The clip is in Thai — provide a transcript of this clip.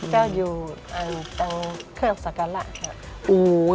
เจ้าอยู่ตรงเครื่องศักระค่ะ